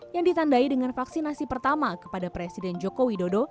yang ditandai dengan vaksinasi pertama kepada presiden joko widodo